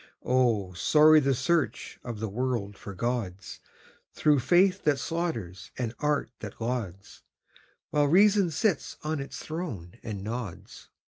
Oh, sorry the search of the world for gods, Through faith that slaughters and art that lauds, While reason sits on its throne and nods.